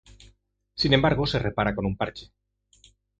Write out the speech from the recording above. Sin embargo, se repara con un parche.